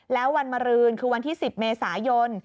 แล้ววันมารืนคือวันที่๑๐เมษายน